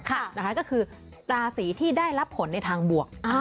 ก็คือราศีที่ได้รับผลในทางบวก